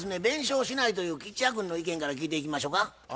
弁償しないという吉弥君の意見から聞いていきましょか。